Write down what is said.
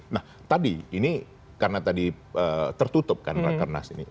nah tadi ini karena tadi tertutup kan rakernas ini